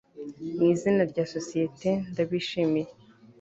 Mwizina rya sosiyete ndabishimiye